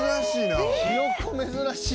珍しいな。